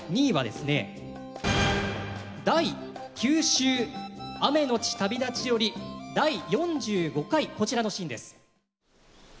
第９週「雨のち旅立ち」より第４５回こちらのシーンです。